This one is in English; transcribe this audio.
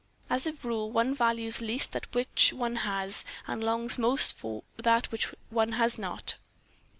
As a rule, one values least that which one has, and longs most for that which one has not.